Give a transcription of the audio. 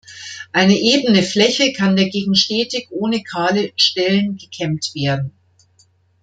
Eine ebene Fläche kann dagegen stetig ohne kahle Stellen gekämmt werden.